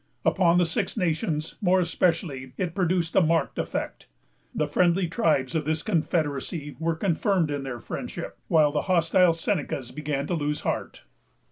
Upon the Six Nations, more especially, it produced a marked effect. The friendly tribes of this confederacy were confirmed in their friendship, while the hostile Senecas began to lose heart.